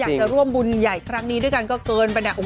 อยากจะร่วมบุญใหญ่ครั้งนี้ด้วยกันก็เกินไปเนี่ย